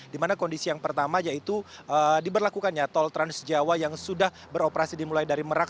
di mana kondisi yang pertama yaitu diberlakukannya tol transjawa yang sudah beroperasi dimulai dari merak